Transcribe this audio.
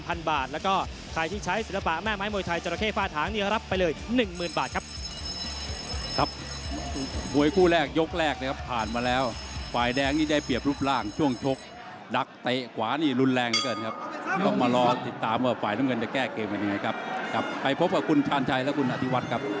พบกับคุณชาญชายและคุณอธิวัตรครับ